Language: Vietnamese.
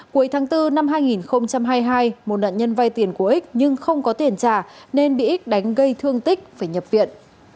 cuối tháng bốn năm hai nghìn hai mươi hai một nạn nhân vay tiền của ích nhưng không có tiền trả nên bị ích đánh gây thương tích phải nhập viện